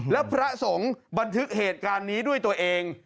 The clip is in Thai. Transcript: แล้วพระสงฆ์บันทึกเหตุการณ์นี้ด้วยตัวเอง